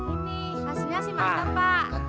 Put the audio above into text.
ini hasilnya sih masak pak